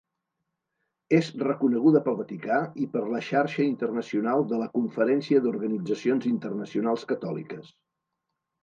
És reconeguda pel Vaticà i per la xarxa internacional de la Conferència d'Organitzacions Internacionals Catòliques.